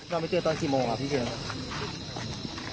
เราไปเจอตอนกี่โมงครับที่เจอ